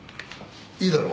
いいだろう。